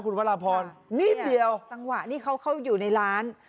คุณพระราพรนิดเดียวจังหวะที่เขาเข้าอยู่ในร้าน